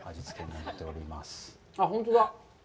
あっ、あっ、本当だ。